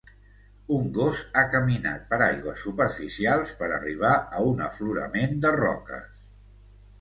Un gos ha caminat per aigües superficials per arribar a un aflorament de roques.